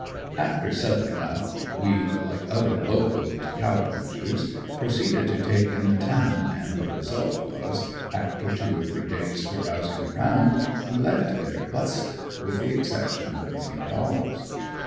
After settling up, we, like other "locoed" Cow Punchers proceeded to take in the town, and the result was, after two or three days carousing around, we left there "busted" with the exception of a few dollars.